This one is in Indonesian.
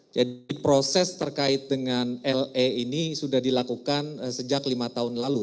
jadi proses terkait dengan le ini sudah dilakukan sejak lima tahun lalu